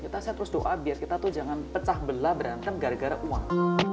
saya terus doa biar kita tuh jangan pecah belah berantem gara gara uang